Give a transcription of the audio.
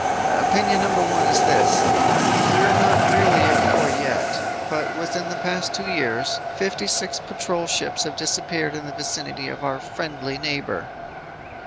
"Opinion number one is this: We're not really at war yet, but within the past two years, fifty six patrol ships have disappeared in the vicinity of our friendly neighbor."